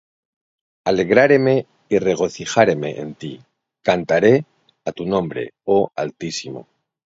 Alegraréme y regocijaréme en ti: Cantaré á tu nombre, oh Altísimo;